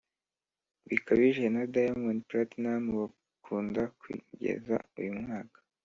Bikabije na diamond platinumz bakunda kugeza uyu mwaka